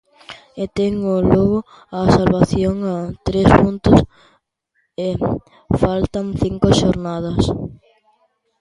E ten o Lugo a salvación a tres puntos e faltan cinco xornadas.